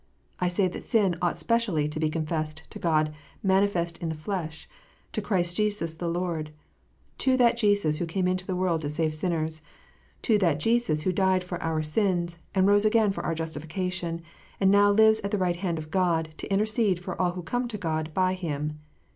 I say that sin ought specially to be confessed to God manifest in the flesh, to Christ Jesus the Lord, to that Jesus who came into the world to save sinners, to that Jesus who died for our sins, and rose again for our justification, and now lives at the right hand of God to intercede for all who oome to God by Him.